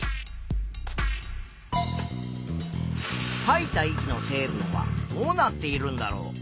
いた息の成分はどうなっているんだろう？